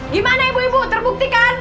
gimana ibu ibu terbuktikan